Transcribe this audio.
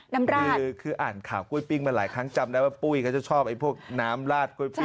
อ้อนกันอ้อนดีจังแหละ